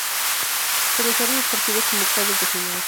Comenzaron los partidos como octavos de final.